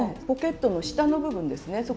ポケットの下の部分ですね。